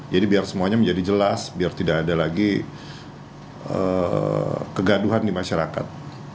biar semuanya menjadi jelas biar tidak ada lagi kegaduhan di masyarakat